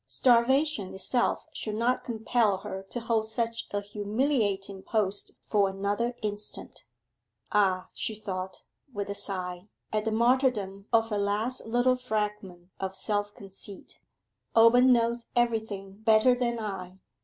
Starvation itself should not compel her to hold such a humiliating post for another instant. 'Ah,' she thought, with a sigh, at the martyrdom of her last little fragment of self conceit, 'Owen knows everything better than I.